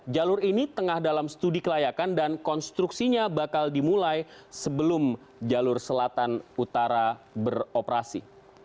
jalur ini tengah dalam studi kelayakan dan konstruksinya bakal dimulai sebelum jalur selatan utara beroperasi